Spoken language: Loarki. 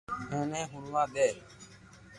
ايني ھڻوا دي